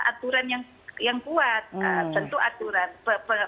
tentu aturan larangan yang berkaitan dengan potensi potensi yang bisa berpotensi